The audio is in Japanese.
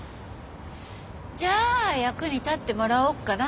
じゃあ役に立ってもらおうかな。